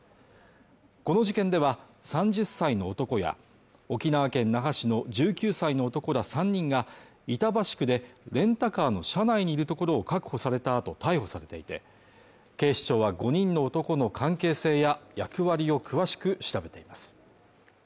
この事件では、３０歳の男や沖縄県那覇市の１９歳の男ら３人が板橋区でレンタカーの車内にいるところを確保された後、逮捕されていて、警視庁は５人の男の関係性や役割を詳しく調べています。